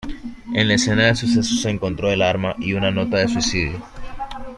En la escena del suceso se encontró el arma y una nota de suicidio.